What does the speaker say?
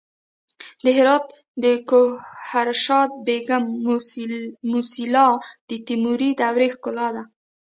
د هرات د ګوهرشاد بیګم موسیلا د تیموري دورې ښکلا ده